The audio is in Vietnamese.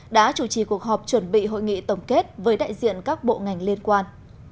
đã chủ trì cuộc họp chuẩn bị hội nghị tổng kết với đại diện các bộ ngành liên quan